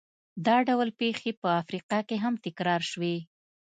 دا ډول پېښې په افریقا کې هم تکرار شوې.